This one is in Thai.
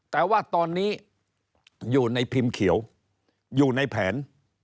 แต่ว่าตอนนี้อยู่ในพิมพ์เขียวอยู่ในแผน